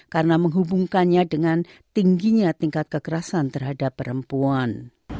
karena menghubungkannya dengan tingginya tingkat kekerasan terhadap perempuan